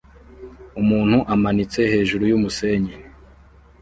Umuntu amanitse hejuru yumusenyi